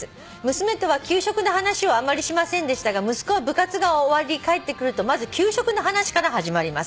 「娘とは給食の話はあまりしませんでしたが息子は部活が終わり帰ってくるとまず給食の話から始まります」